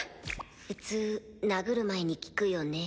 普通殴る前に聞くよね。